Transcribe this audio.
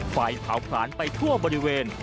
ไฟเผาผลาญไปทั่วบริเวณ